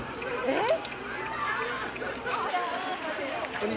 えっ？